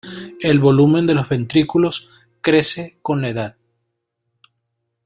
El volumen de los ventrículos crece con la edad.